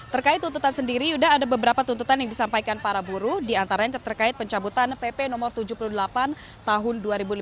terkait tuntutan sendiri sudah ada beberapa tuntutan yang disampaikan para buruh diantaranya terkait pencabutan pp no tujuh puluh delapan tahun dua ribu lima belas